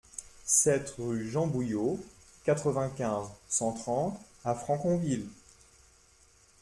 sept rue Jean Bouillot, quatre-vingt-quinze, cent trente à Franconville